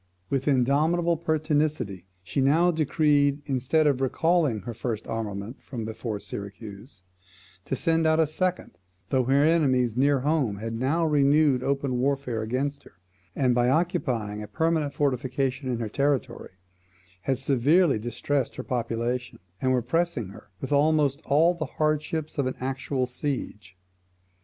With indomitable pertinacity she now decreed, instead of recalling her first armament from before Syracuse, to send out a second, though her enemies near home had now renewed open warfare against her, and by occupying a permanent fortification in her territory, had severely distressed her population, and were pressing her with almost all the hardships of an actual siege.